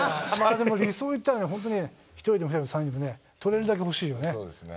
でも、理想を言ったら、本当にね、１人でも３人でも取れるだけ欲しそうですね。